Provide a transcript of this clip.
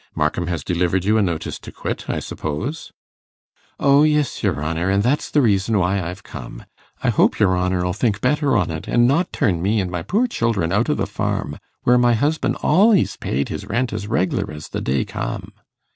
Markham has delivered you a notice to quit, I suppose?' 'O yis, your honour, an' that's the reason why I've come. I hope your honour 'll think better on it, an' not turn me an' my poor children out o' the farm, where my husband al'ys paid his rent as reglar as the day come.